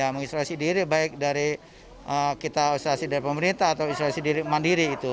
mengisolasi diri baik dari kita isolasi dari pemerintah atau isolasi diri itu